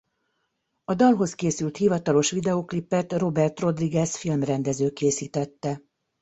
A dalhoz készült hivatalos videóklipet Robert Rodriguez filmrendező készítette.